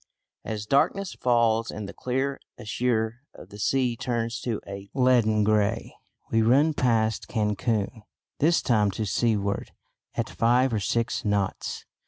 As darkness falls and the clear azure of the sea turns to a leaden grey, we run past Cancun, this time to seaward, at five or six knots.